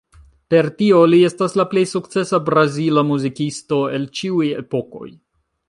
Per tio li estas la plej sukcesa brazila muzikisto el ĉiuj epokoj.